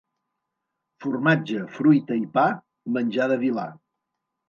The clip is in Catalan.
Formatge, fruita i pa, menjar de vilà.